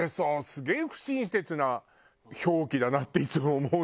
すげえ不親切な表記だなっていつも思う。